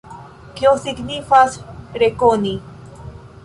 Kio signifas rekoni?